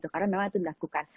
karena memang harus dilakukan